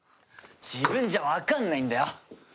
自分じゃわかんないんだよ！